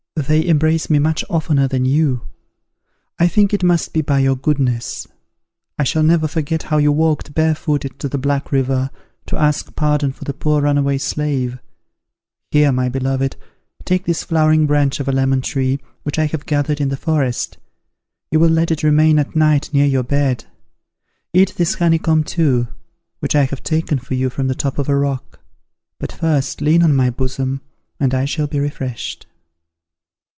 They embrace me much oftener than you. I think it must be by your goodness. I shall never forget how you walked bare footed to the Black River, to ask pardon for the poor run away slave. Here, my beloved, take this flowering branch of a lemon tree, which I have gathered in the forest: you will let it remain at night near your bed. Eat this honey comb too, which I have taken for you from the top of a rock. But first lean on my bosom, and I shall be refreshed."